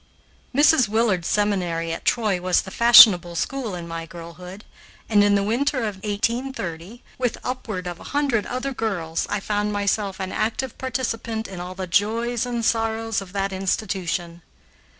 Mrs. Willard's Seminary at Troy was the fashionable school in my girlhood, and in the winter of 1830, with upward of a hundred other girls, I found myself an active participant in all the joys and sorrows of that institution.